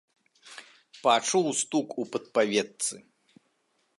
Пачуў стук у падпаветцы.